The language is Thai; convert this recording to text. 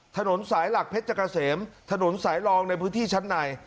ถนนสายหลักเพชรเกษมถนนสายรองในพื้นที่ชั้นใน